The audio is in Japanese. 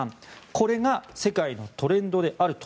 これが世界のトレンドであると。